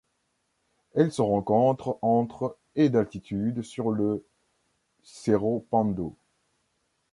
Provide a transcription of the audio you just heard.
Elle se rencontre entre et d'altitude sur le Cerro Pando.